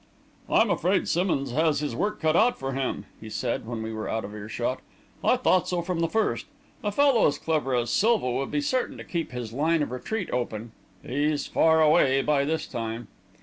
"I'm afraid Simmonds has his work cut out for him," he said, when we were out of earshot. "I thought so from the first. A fellow as clever as Silva would be certain to keep his line of retreat open. He's far away by this time."